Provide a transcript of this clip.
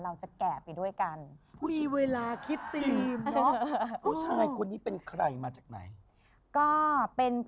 เราจะแก่ไปด้วยกัน